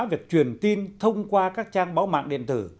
việc truyền tin thông qua các trang báo mạng điện tử